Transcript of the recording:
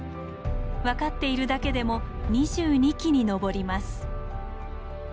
分かっているだけでも２２基に上ります。